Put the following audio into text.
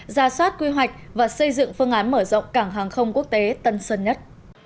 ra soát quy hoạch và xây dựng phương án mở rộng cảng hàng không quốc tế tân sơn nhất